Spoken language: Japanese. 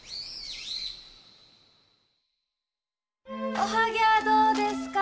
おはぎはどうですか？